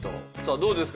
どうですか？